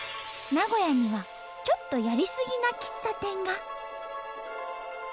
名古屋にはちょっとやりすぎな喫茶店が。